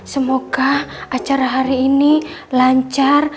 semoga acara hari ini lancar